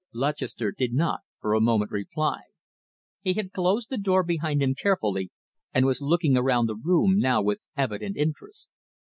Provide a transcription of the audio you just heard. Lutchester did not for a moment reply. He had closed the door behind him carefully, and was looking around the room now with evident interest.